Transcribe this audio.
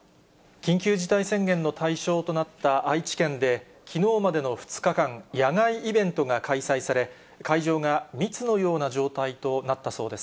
緊急事態宣言の対象となった愛知県で、きのうまでの２日間、野外イベントが開催され、会場が密のような状態となったそうです。